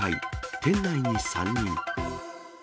店内に３人。